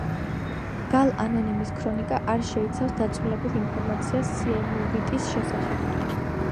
გალ ანონიმის ქრონიკა არ შეიცავს დაწვრილებით ინფორმაციას სიემოვიტის შესახებ.